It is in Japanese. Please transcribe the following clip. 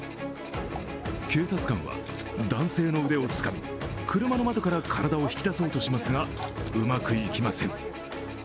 警察官は男性の腕をつかみ、車の窓から体を引き出そうとしますがうまくいきません。